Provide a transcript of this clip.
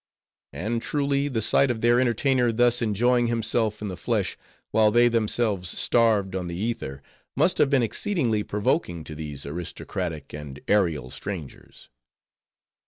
And truly, the sight of their entertainer thus enjoying himself in the flesh, while they themselves starved on the ether, must have been exceedingly provoking to these aristocratic and aerial strangers.